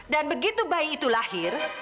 dan begitu bayi itu lahir